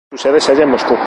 Su sede se halla en Moscú.